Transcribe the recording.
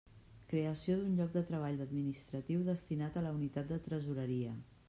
Creació d'un lloc de treball d'administratiu destinat a la unitat de Tresoreria.